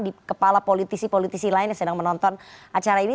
di kepala politisi politisi lain yang sedang menonton acara ini